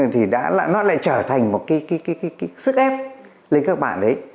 thì nó lại trở thành một cái sức ép lên các bạn đấy